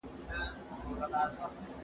زه به اوږده موده اوبه پاکې کړې وم!؟